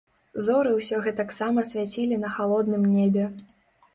Зоры ўсё гэтаксама свяцілі на халодным небе.